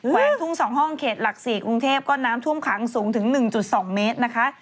วงทุ่ง๒ห้องเขตหลัก๔กรุงเทพก็น้ำท่วมขังสูงถึง๑๒เมตรนะคะ